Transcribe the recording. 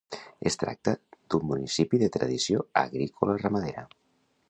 Es tracta d'un municipi de tradició agrícola-ramadera.